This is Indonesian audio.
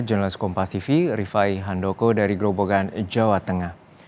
jurnalis kompas tv rifai handoko dari grobogan jawa tengah